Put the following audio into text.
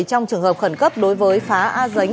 trong trường hợp khẩn cấp đối với phá a dính